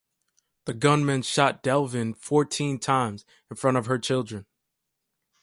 The gunmen shot Devlin fourteen times in front of her children.